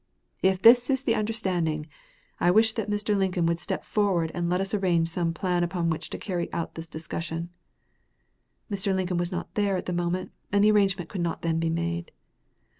If this is the understanding, I wish that Mr. Lincoln would step forward and let us arrange some plan upon which to carry out this discussion." Mr. Lincoln was not there at the moment, and the arrangement could not then be made.